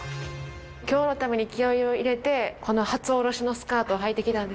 今日のために気合を入れてこの初下ろしのスカートをはいてきたんです。